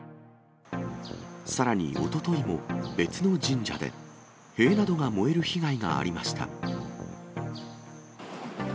さらに、おとといも別の神社で、塀などが燃える被害がありました。